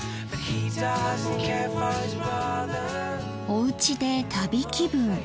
おうちで旅気分。